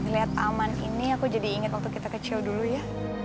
lihat aman ini aku jadi ingat waktu kita kecil dulu ya